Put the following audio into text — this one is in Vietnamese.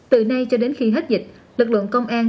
từ nay cho đến khi hết dịch lực lượng công an